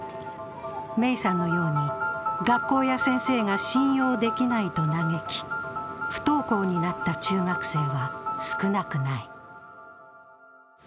芽生さんのように学校や先生が信用できないと嘆き、不登校になった中学生は少なくない。